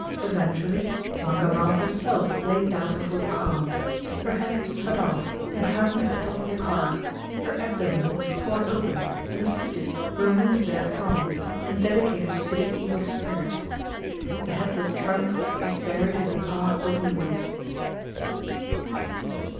Eventually, Mangammal herself laid down before the car. Her head was cut off, and hung at the top of the car. Her abdomen was torn open, and the foetus removed therefrom, and dedicated to the evil spirit. The headless trunk was buried in the path of the wheels.